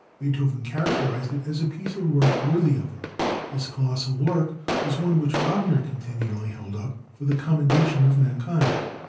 Beethoven characterized it as a piece of work worthy of him. This colossal work was one which Wagner continually held up for the commendation of mankind.